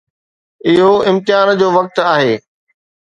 اهو امتحان جو وقت آهي.